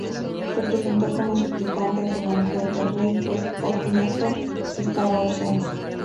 Se presentó como suplicante ante la mujer del rey, pues Admeto estaba ausente.